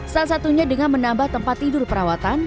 salah satunya dengan menambah tempat tidur perawatan